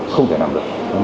không thể nằm được